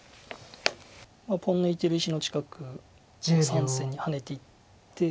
ポン抜いてる石の近く３線にハネていって。